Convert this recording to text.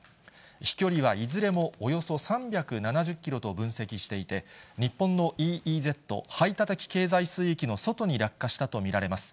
飛距離はいずれも、およそ３７０キロと分析していて、日本のＥＥＺ・排他的経済水域の外に落下したと見られます。